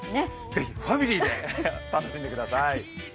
ぜひファミリーで楽しんでください。